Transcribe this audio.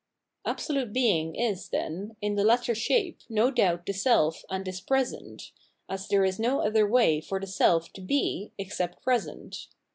Absolute Being is, then, in the latter shape no doubt the self and is present, as there is no other way for the self to he except present.